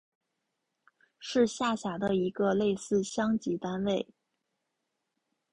是下辖的一个类似乡级单位。